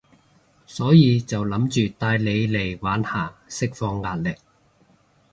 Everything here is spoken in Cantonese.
所以就諗住帶你嚟玩下，釋放壓力